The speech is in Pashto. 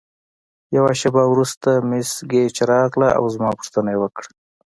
یوه شیبه وروسته مس ګیج راغله او زما پوښتنه یې وکړه.